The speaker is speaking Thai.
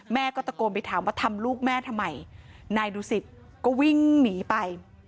แม่ก็ตะโกนไปถามว่าทำลูกแม่ทำไมนายดูสิตก็วิ่งหนีไป